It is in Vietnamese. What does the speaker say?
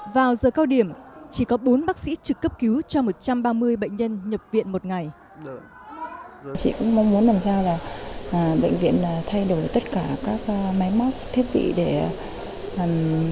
vào giờ cao điểm chỉ có bốn bác sĩ trực cấp cứu cho một trăm ba mươi bệnh nhân nhập viện một ngày